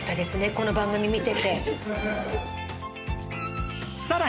この番組見てて。